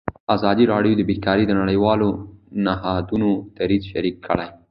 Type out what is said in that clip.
ازادي راډیو د بیکاري د نړیوالو نهادونو دریځ شریک کړی.